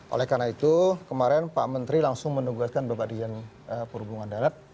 oleh karena itu kemarin pak menteri langsung menugaskan bapak dijan perhubungan darat